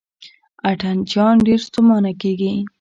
اتڼ چیان ډېر ستومانه کیږي.